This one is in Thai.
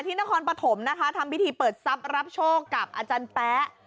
นครปฐมนะคะทำพิธีเปิดทรัพย์รับโชคกับอาจารย์แป๊ะ